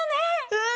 うん！